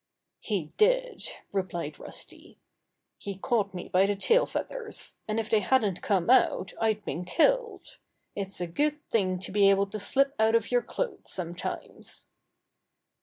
"He did," replied Rusty. "He caught me by the tail feathers, and if they hadn't come out I'd been killed. It's a good thing to be able to slip out of your clothes sometimes."